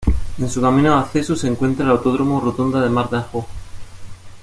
En su camino de acceso, se encuentra el Autódromo Rotonda de Mar de Ajó.